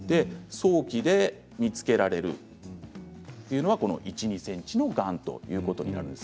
早期で見つけるというのは１、２ｃｍのがんということになります。